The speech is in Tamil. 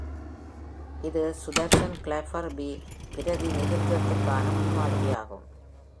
இது சுதர்சன்-கிளாபர் பி பிரதிநிதித்துவத்திற்கான முன்மாதிரியாகும்.